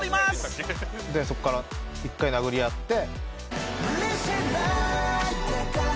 そっから１回殴り合って。